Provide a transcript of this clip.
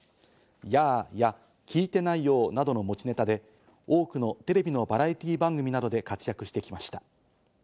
「ヤー！」や「聞いてないよォ」などの持ちネタで多くのテレビのバラエティー番組などで活躍してきました。